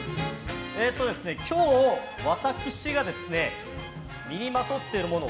今日私が身にまとっているもの